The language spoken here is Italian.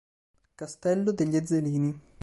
Castello degli Ezzelini